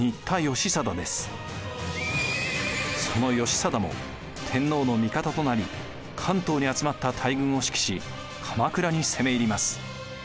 その義貞も天皇の味方となり関東に集まった大軍を指揮し鎌倉に攻め入ります。